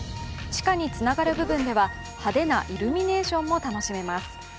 地下につながる部分では派手なイルミネーションも楽しめます。